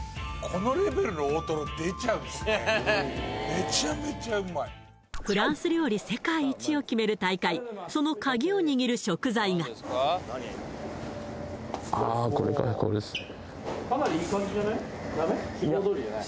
めちゃくちゃおいしいやんこれフランス料理世界一を決める大会そのカギを握る食材がああこれかこれですね